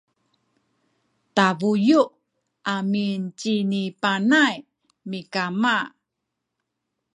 tabuyu’ amin cini Panay mikama